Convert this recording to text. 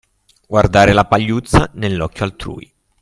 Guardare la pagliuzza nell'occhio altrui.